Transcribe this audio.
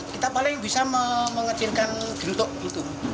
kita paling bisa mengecilkan untuk itu